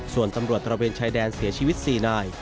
ส่วนตำรวจตระเวนชายแดนเสียชีวิต๔นาย